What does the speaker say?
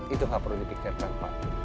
itu nggak perlu dipikirkan pak